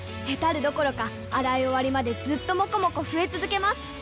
ヘタるどころか洗い終わりまでずっともこもこ増え続けます！